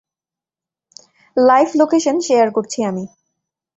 Live location share করছি আমি।